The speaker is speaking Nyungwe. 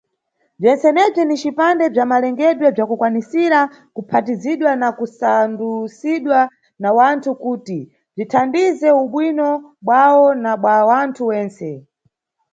Bzentsenebzi ni bzipande bza malengedwe bzakukwanisira kuphatizidwa na kusandusidwa na wanthu, kuti bzithandize ubwino bwawo na bwa wanthu wentse.